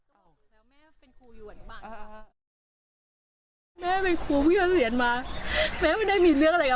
ทำไมไม่แข่งกันตามกติกาประชาชีพไปตัย